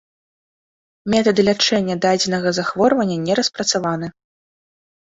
Метады лячэння дадзенага захворвання не распрацаваны.